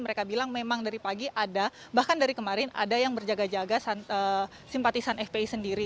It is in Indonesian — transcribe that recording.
mereka bilang memang dari pagi ada bahkan dari kemarin ada yang berjaga jaga simpatisan fpi sendiri